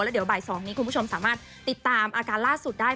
เดี๋ยวบ่าย๒นี้คุณผู้ชมสามารถติดตามอาการล่าสุดได้